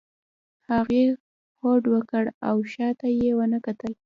هغې هوډ وکړ او شا ته یې ونه کتل.